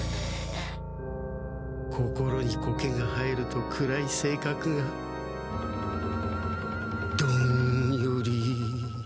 心にコケが生えると暗いせいかくがどんより。